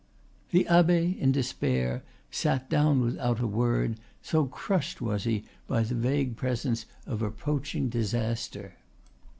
The abbe, in despair, sat down without a word, so crushed was he by the vague presence of approaching disaster.